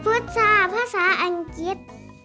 พุทธสื่อภาษาอังกฤษ